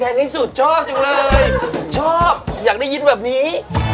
ที่สุดชอบจังเลยชอบอยากได้ยินแบบนี้